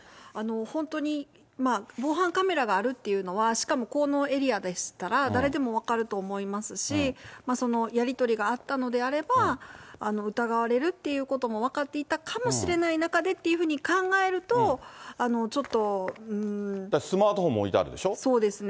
本当にまあ、防犯カメラがあるっていうのは、しかもこのエリアでしたら、誰でも分かると思いますし、そのやり取りがあったのであれば、疑われるっていうことも分かっていたかもしれない中でっていうふスマートフォンも置いてあるそうですね、